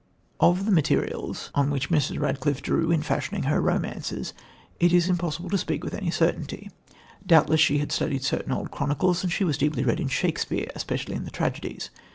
Of the materials on which Mrs. Radcliffe drew in fashioning her romances it is impossible to speak with any certainty. Doubtless she had studied certain old chronicles, and she was deeply read in Shakespeare, especially in the tragedies.